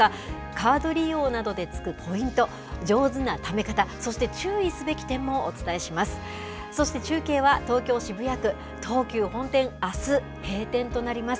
カード利用などでつくポイント、上手なため方、そして注意すべき点もお伝えします。